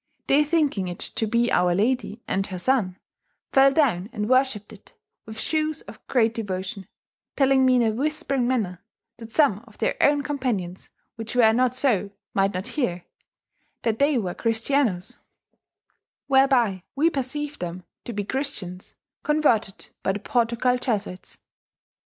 They, thinking it to bee Our Ladie and her sonne, fell downe and worshipped it, with shewes of great deuotion, telling me in a whispering manner (that some of their own companions, which were not so, might not heare), that they were Christianos: whereby we perceived them to be Christians, conuerted by the Portugall Iesuits."